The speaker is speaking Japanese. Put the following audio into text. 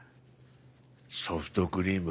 ソフトクリーム